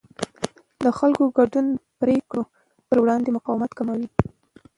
د خلکو ګډون د پرېکړو پر وړاندې مقاومت کموي